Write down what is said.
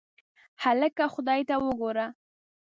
هکله خدای ته وګوره.